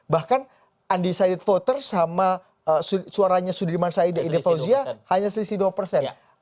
bahkan undecided voters sama suaranya sudirman said dan ide fauzia hanya selisih dua persen